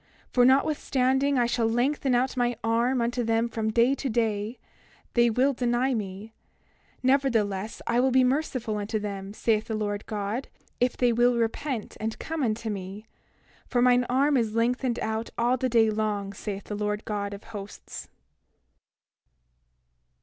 For notwithstanding I shall lengthen out mine arm unto them from day to day, they will deny me; nevertheless, I will be merciful unto them, saith the Lord God, if they will repent and come unto me; for mine arm is lengthened out all the day long, saith the Lord God of Hosts.